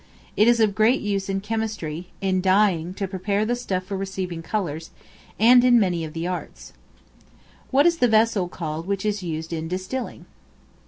It is of great use in chemistry; in dyeing to prepare the stuff for receiving colors; and in many of the arts. What is the vessel called which is used in Distilling?